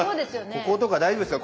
こことか大丈夫ですか？